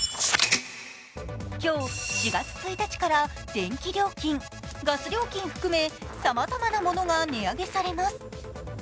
今日、４月１日から電気料金、ガス料金含め、さまざまなものが値上げされます。